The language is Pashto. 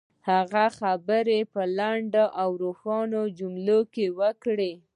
هغه خپلې خبرې په لنډو او روښانه جملو کې وکړې.